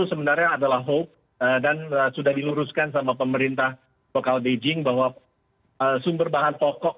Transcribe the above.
sebenarnya adalah hoax dan sudah diluruskan sama pemerintah lokal beijing bahwa sumber bahan pokok